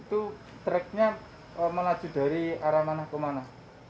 itu treknya melaju dari arah mana ke mana